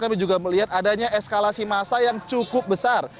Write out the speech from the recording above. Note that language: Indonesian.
kami juga melihat adanya eskalasi masa yang cukup besar